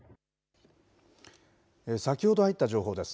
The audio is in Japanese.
先ほど入った情報です。